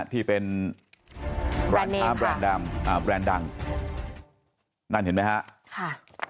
ที่เป็นแบรนด์เนมค่ะอ่าแบรนด์ดังอ่าแบรนด์ดังนั่นเห็นไหมฮะค่ะ